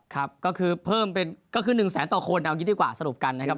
ครับก็คือเพิ่มเป็นก็คือ๑แสนต่อคนเอางี้ดีกว่าสรุปกันนะครับ